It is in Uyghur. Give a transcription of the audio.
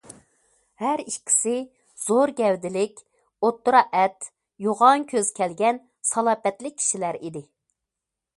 ھەر ئىككىسى زور گەۋدىلىك، ئوتتۇرا ئەت، يوغان كۆز كەلگەن سالاپەتلىك كىشىلەر ئىدى.